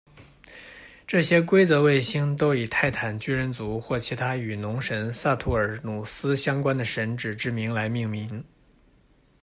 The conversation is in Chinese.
这些规则卫星都以泰坦巨人族或其他与农神萨图尔努斯相关的神只之名来命名。